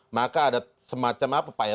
maka ada semacam apa pak ya